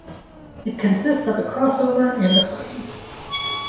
It consists of a crossover and a siding.